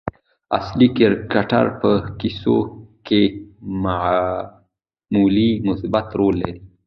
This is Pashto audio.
اصلي کرکټر په کیسو کښي معمولآ مثبت رول لري.